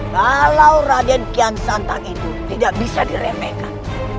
kalau raden kian santang itu tidak bisa diremehkan